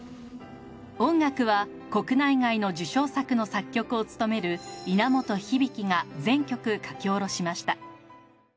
音楽は国内外の受賞作の作曲を務める稲本響が全曲書き下ろしました。